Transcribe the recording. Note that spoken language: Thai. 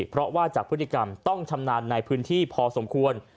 เพราะว่าจากพฤติกรรมต้องชำนาญในพื้นที่พอสมควร